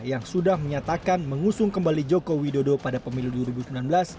yang sudah menyatakan mengusung kembali joko widodo pada pemilu dua ribu sembilan belas